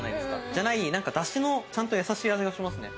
じゃないダシのちゃんとやさしい味がしますね。